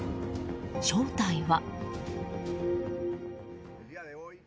正体は。